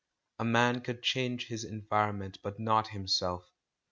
A man could change his envu'onment, but not himself.